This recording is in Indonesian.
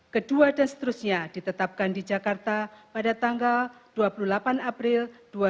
kedua dan seterusnya ditetapkan di jakarta pada tanggal dua puluh delapan april dua ribu dua puluh